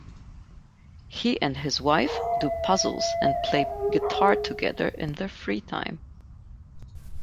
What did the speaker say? He and his wife do puzzles and play guitar together in their free time.